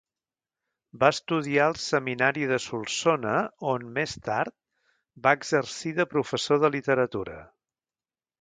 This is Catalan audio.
Va estudiar al seminari de Solsona on, més tard, va exercir de professor de literatura.